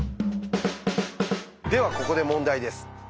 ではここで問題です。